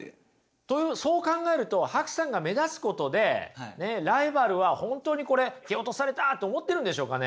そう考えるとＨＡＫＵさんが目立つことでライバルは本当にこれ蹴落とされたって思ってるんでしょうかね？